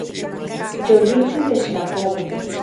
Yoliktsin techtlapoui